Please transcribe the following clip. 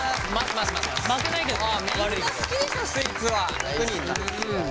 負けないけどね。